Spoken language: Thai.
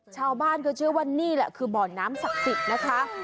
ชาวบ้านก็เชื่อว่านี่แหละคือหม่อนน้ำสะติดนะคะ